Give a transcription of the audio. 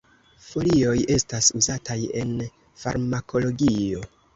Folioj estas uzataj en farmakologio.